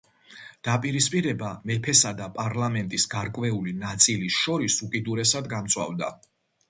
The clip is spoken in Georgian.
დაპირისპირება მეფესა და პარლამენტის გარკვეული ნაწილის შორის უკიდურესად გამწვავდა.